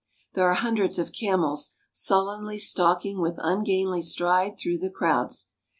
There are hundreds of camels, sullenly stalking with un gainly stride through the crowds.